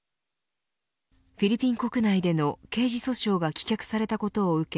フィリピン国内での刑事訴訟が棄却されたことを受け